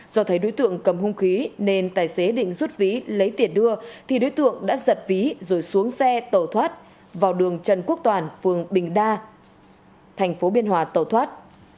do thấy đối tượng cầm hung khí nên tài xế định rút vĩ lấy tiền đưa thì đối tượng đã giật ví rồi xuống xe tẩu thoát vào đường trần quốc toàn phường bình đa thành phố biên hòa tẩu thoát